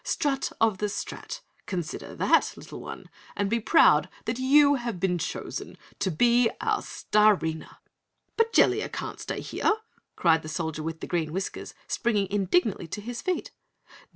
Strut of the Strat! Consider THAT, Little One, and be proud that you have been chosen to be our Starina!" "But Jellia can't stay here!" cried the Soldier with Green Whiskers, springing indignantly to his feet.